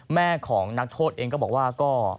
แม่ของนักโทษเองก็บอกว่าก็